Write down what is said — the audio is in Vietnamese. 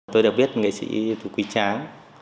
tôi đều biết nghệ sĩ ưu tú quý tráng